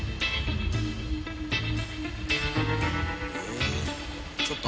えっ。